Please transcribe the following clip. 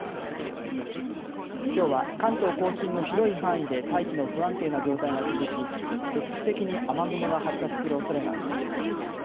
きょうは関東甲信の広い範囲で大気の不安定な状態が続き局地的に雨雲が発達するおそれがあります。